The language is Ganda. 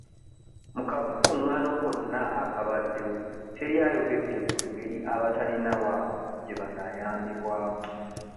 Mu kavuvungano konna akabaddewo teri ayogedde ku ngeri abatalina waabwe gye banaayambibwamu.